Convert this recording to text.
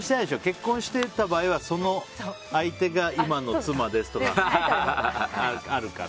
結婚してた場合は、その相手が今の妻ですとかあるから。